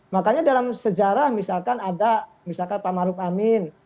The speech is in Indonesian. makanya dalam sejarah misalkan ada misalkan pak maruf amin